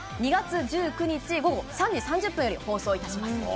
２月１９日午後３時３０分より放送いたします。